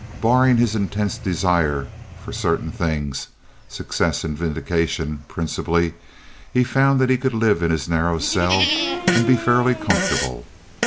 Barring his intense desire for certain things—success and vindication, principally—he found that he could live in his narrow cell and be fairly comfortable.